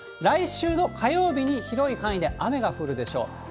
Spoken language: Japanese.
来週の火曜日に広い範囲で雨が降るでしょう。